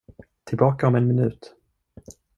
Tillbaka om en minut.